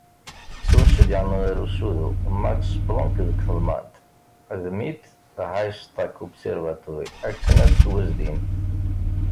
Ttwaceyyɛen ɣer Usudu Max Planck deg Telmant d Mit Haystack Observatory akken ad ttwazdin.